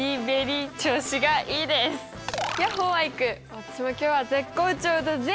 私も今日は絶好調だぜ！